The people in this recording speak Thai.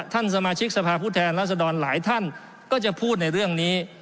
ท่านสมาชิกสภาพผู้แทนรัศดรหลายท่านก็จะพูดในเรื่องนี้